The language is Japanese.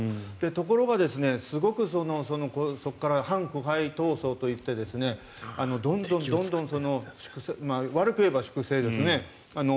ところが、すごくそこから反腐敗闘争といってどんどん悪く言えば粛清ですね。